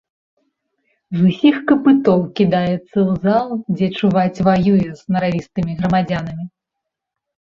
З усіх капытоў кідаецца ў зал, дзе, чуваць, ваюе з наравістымі грамадзянамі.